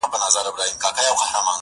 o او د ټولنې پر ضمير اوږد سيوری پرېږدي,